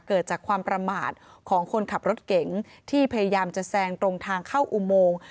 เกิดจากความประมาทของคนขับรถเก๋งที่พยายามจะแซงตรงทางเข้าอุโมง